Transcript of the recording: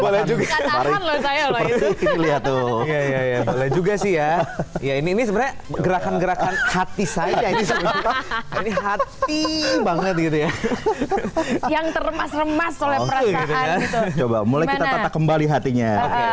tuh boleh juga sih ya ya ini bizarre gerakan gerakan hati saya